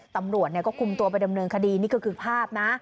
ตำรวจก็คุมตัวไปดำเนินคดีนี่ก็คือภาพนะ